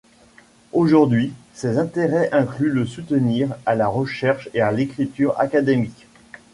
Aujourd'hui, ses intérêts incluent le soutenir à la recherche et l'écriture académiques.